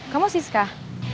kamu sis kang